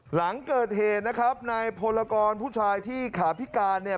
หลังเกิดเหตุนะครับนายพลกรผู้ชายที่ขาพิการเนี่ย